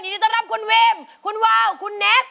ยินดีต้อนรับคุณวิมคุณวาวคุณเนส